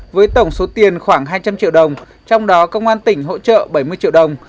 với tổng số tiền khoảng hai trăm linh triệu đồng trong đó công an tỉnh hỗ trợ bảy mươi triệu đồng